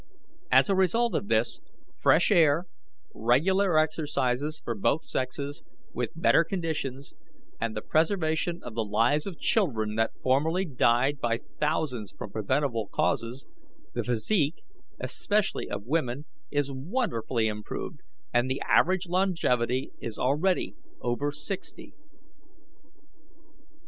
As a result of this, fresh air, regular exercise for both sexes, with better conditions, and the preservation of the lives of children that formerly died by thousands from preventable causes, the physique, especially of women, is wonderfully improved, and the average longevity is already over sixty.